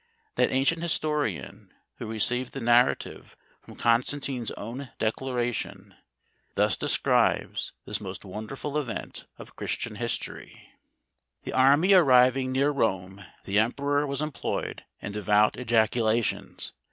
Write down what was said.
That ancient histo rian who received the narrative from Constantine's own declaration, thus describes this most wonderful event of Christian History : The army arriving near Rome, the emperor was employed in devout ejacula tions.